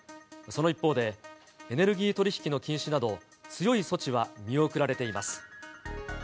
その一方で、エネルギー取り引きの禁止など、強い措置は見送られています。